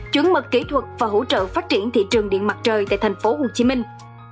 chứng mật kỹ thuật và hỗ trợ phát triển thị trường điện mặt trời tại thành phố hồ chí minh